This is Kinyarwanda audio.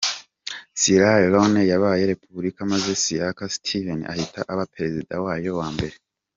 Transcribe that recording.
Sierra Leone yabaye Repubulika maze Siaka Stevens ahita aba perezida wayo wa mbere.